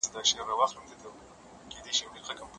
ايا سړکونه پاخه سوي دي؟